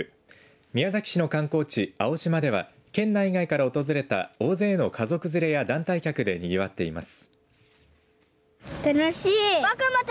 宮崎市の観光地、青島では県内外から訪れた大勢の家族連れや団体客でにぎわっています。